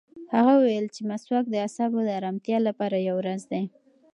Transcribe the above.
هغه وویل چې مسواک د اعصابو د ارامتیا لپاره یو راز دی.